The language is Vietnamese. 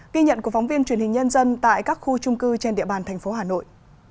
ghi nhận của phóng viên truyền hình nhân dân tại các khu trung cư trên địa bàn thành phố hà nội